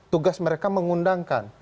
tugas mereka mengundangkan